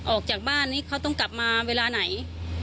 ออกจากบ้านนี้เขาต้องกลับมาเวลาไหน